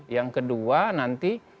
yang kedua nanti